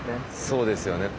そうですよね。